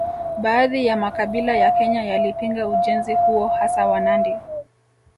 Baadhi ya makabila ya Kenya yalipinga ujenzi huo hasa Wanandi